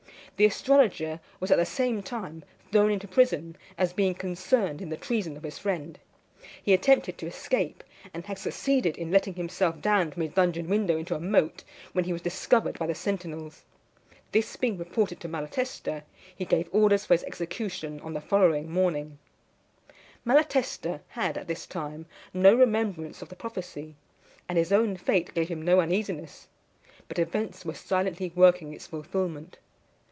The astrologer was at the same time thrown into prison, as being concerned in the treason of his friend. He attempted to escape, and had succeeded in letting himself down from his dungeon window into a moat, when he was discovered by the sentinels. This being reported to Malatesta, he gave orders for his execution on the following morning. Les Anecdotes de Florence, ou l'Histoire secrète de la Maison di Medicis, p. 318. Malatesta had, at this time, no remembrance of the prophecy; and his own fate gave him no uneasiness; but events were silently working its fulfilment.